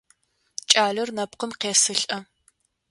Кӏалэр нэпкъым къесылӏэ.